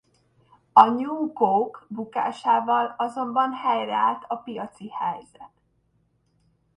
A New Coke bukásával azonban helyreállt a piaci helyzet.